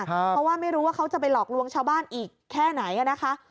เพราะว่าไม่รู้ว่าเขาจะไปหลอกลวงชาวบ้านอีกแค่ไหนนะคะ